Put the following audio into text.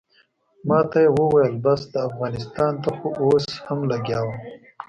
ماته یې وویل بس ده افغانستان ته خو اوس هم لګیا وم.